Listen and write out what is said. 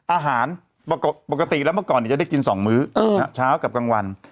อาหารปกติแล้วเมื่อก่อนจะได้กิน๒มื้อเช้ากับกลางวัน